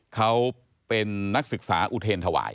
เขาเป็นนักศึกษาอุเทรนถวาย